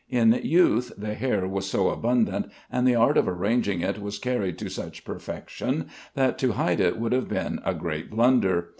In youth the hair was so abundant and the art of arranging it was carried to such perfection, that to hide it would have been a great blunder.